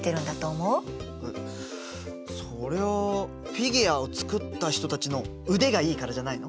えっそりゃあフィギュアを作った人たちの腕がいいからじゃないの？